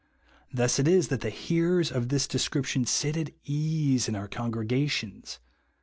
Thus it is that hearers of this description sit at ease in our con gregations.